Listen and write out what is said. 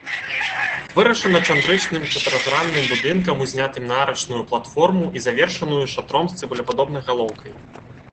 Вырашана цэнтрычным чатырохгранным будынкам, узнятым на арачную платформу і завершаную шатром з цыбулепадобнай галоўкай.